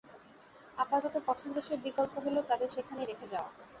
আপাতত, পছন্দসই বিকল্প হল তাদের সেখানেই রেখে দেওয়া।